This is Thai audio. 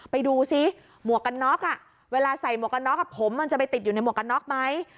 ไปดูซิหมวกกันน็อกเวลาใส่หมวกกันน็อกผมมันจะไปติดอยู่ในหมวกกันน็อกไหม